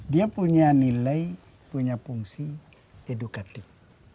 dia punya nilai punya fungsi edukatif